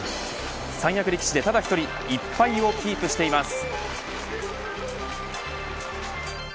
三役力士でただ１人１敗をキープしています。